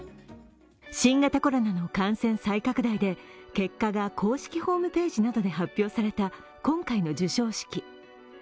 新型コロナの感染再拡大で結果が公式ホームページなどで発表された今回の授賞式。